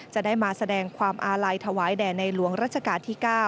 จะได้มาแสดงความอาลัยถวายแด่ในหลวงรัชกาลที่๙